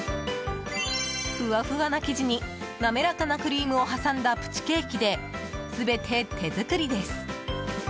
フワフワな生地に滑らかなクリームを挟んだプチケーキで、全て手作りです。